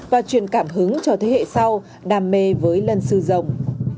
và truyền cảm hứng cho thế hệ sau đam mê với lân sư rồng